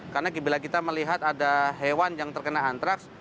karena bila kita melihat ada hewan yang terkena antraks